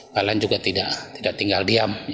pln juga tidak tinggal diam